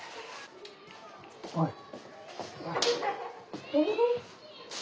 おい。